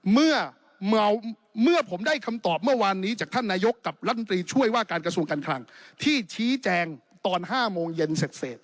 เมื่อผมได้คำตอบเมื่อวานนี้จากท่านนายกกับรัฐมนตรีช่วยว่าการกระทรวงการคลังที่ชี้แจงตอน๕โมงเย็นเสร็จ